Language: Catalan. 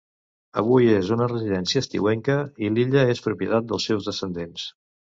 Avui és una residència estiuenca i l'illa és propietat dels seus descendents.